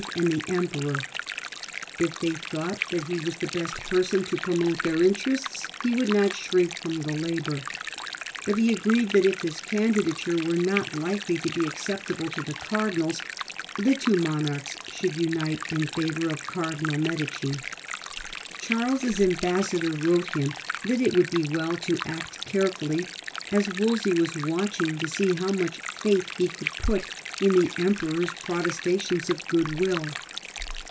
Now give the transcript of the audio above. and the Emperor; if they thought that he was the best person to promote their interests he would not shrink from the labour ; but he agreed that if his candidature were not likely to be acceptable to the cardinals, the two monarchs should unite in favour of Cardinal Medici Charles's ambassador wrote him that it would be well to act carefully, as Wolsey was watching to see how much faith he could put in the Emperor's protestations of good will.